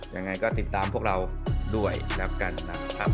ยังไงก็ติดตามพวกเราด้วยแล้วกันนะครับ